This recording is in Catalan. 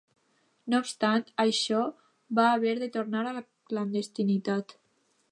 No obstant això va haver de tornar a la clandestinitat.